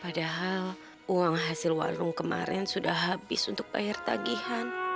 padahal uang hasil warung kemarin sudah habis untuk bayar tagihan